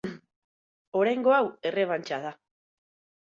Oraingo hau errebantxa da.